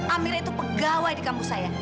amir itu pegawai di kampus saya